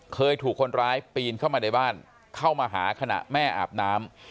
เคยถูกคนร้ายปีนเข้ามาในบ้านเข้ามาหาขณะแม่อาบน้ำ